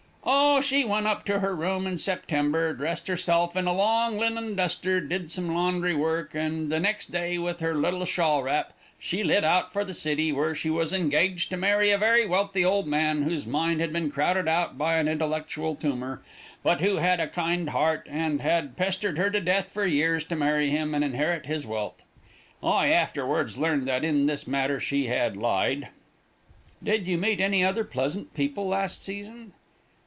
"Oh, she went up to her room in September, dressed herself in a long linen duster, did some laundry work, and the next day, with her little shawl strap, she lit out for the city, where she was engaged to marry a very wealthy old man whose mind had been crowded out by an intellectual tumor, but who had a kind heart and had pestered her to death for years to marry him and inherit his wealth. I afterwards learned that in this matter she had lied." "Did you meet any other pleasant people last season?"